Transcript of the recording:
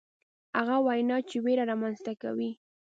هغه وینا چې ویره رامنځته کوي.